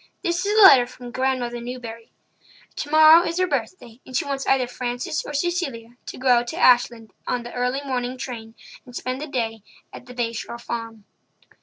This is a letter from Grandmother Newbury. Tomorrow is her birthday, and she wants either Frances or Cecilia to go out to Ashland on the early morning train and spend the day at the Bay Shore Farm."